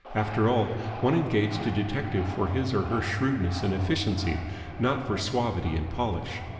After all, one engaged a detective for his or her shrewdness and efficiency, not for suavity and polish.